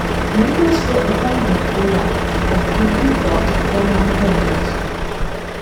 Members were appointed for life but could be dropped for non-attendance.